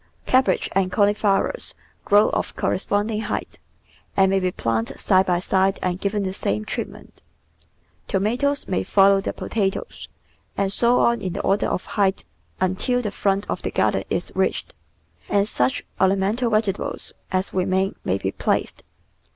Cabbage and cauliflowers grow of correspond ing height, and may be planted side by side and given the same treatment. Tomatoes may follow the potatoes, and so on in the order of height until the front of the garden is reached, and such orna mental vegetables as remain may be placed.